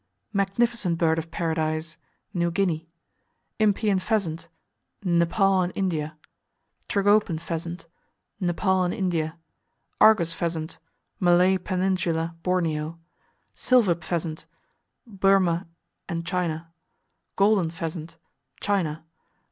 Magnificent Bird of Paradise New Guinea. Impeyan Pheasant Nepal and India. Tragopan Pheasant Nepal and India. Argus Pheasant Malay Peninsula, Borneo. Silver Pheasant Burma and China. Golden Pheasant China.